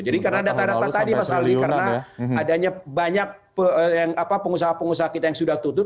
jadi karena data data tadi mas aldi karena adanya banyak pengusaha pengusaha kita yang sudah tutup